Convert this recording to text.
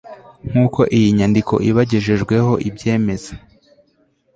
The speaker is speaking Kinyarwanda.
nk'uko iyi nyandiko ibagejejweho ibyemeza